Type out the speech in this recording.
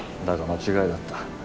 だが間違いだった。